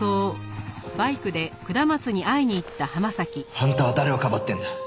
あんたは誰をかばってんだ？